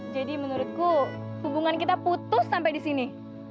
jadi menurutku hubungan kita putus sampai disini